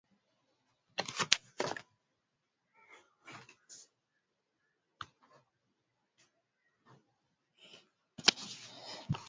Mcheza hawi kiwete, ngoma yataka matao